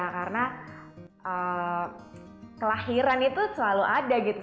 karena kelahiran itu selalu ada gitu